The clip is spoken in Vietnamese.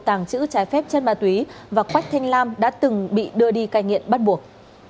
tàng trữ trái phép chân ma túy và quách thanh lam đã từng bị đưa đi cai nghiện bắt buộc